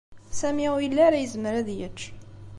Sami ur yelli ara yezmer ad yečč.